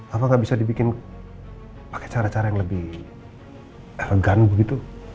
apa nggak bisa dibikin pakai cara cara yang lebih elegan begitu